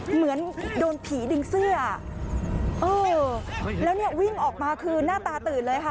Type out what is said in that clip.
เหมือนโดนผีดึงเสื้อเออแล้วเนี่ยวิ่งออกมาคือหน้าตาตื่นเลยค่ะ